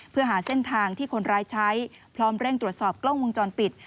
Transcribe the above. เพื่อหาเส้นทางที่คนร้ายใช้พร้อมเร่งตรวจสอบกล้องวงจรปิด